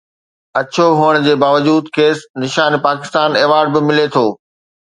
اڇو هئڻ جي باوجود کيس نشان پاڪستان ايوارڊ به ملي ٿو